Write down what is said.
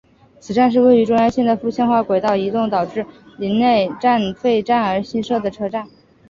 此站是位于中央线的复线化轨道移动导致陵内站废站而新设的车站。